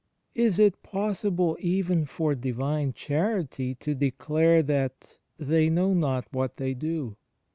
Is it possible even for Divine Charity to declare that "they know not what they do"?